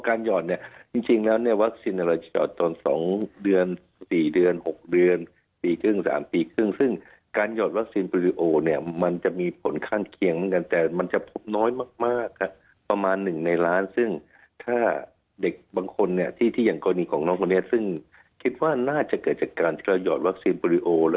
หยอดเนี่ยจริงแล้วเนี่ยวัคซีนเราจะหอดตอน๒เดือน๔เดือน๖เดือนปีครึ่ง๓ปีครึ่งซึ่งการหยอดวัคซีนโปรดิโอเนี่ยมันจะมีผลข้างเคียงเหมือนกันแต่มันจะพบน้อยมากประมาณ๑ในล้านซึ่งถ้าเด็กบางคนเนี่ยที่อย่างกรณีของน้องคนนี้ซึ่งคิดว่าน่าจะเกิดจากการที่เราหอดวัคซีนโปรดิโอ